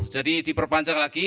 jadi diperpanjang lagi